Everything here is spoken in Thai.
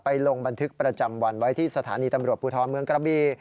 ลงบันทึกประจำวันไว้ที่สถานีตำรวจภูทรเมืองกระบี